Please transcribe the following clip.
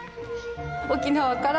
沖縄から！